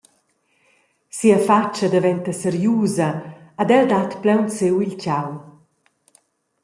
Sia fatscha daventa seriusa ed el dat plaunsiu il tgau.